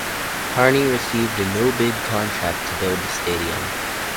Harney received a no-bid contract to build the stadium.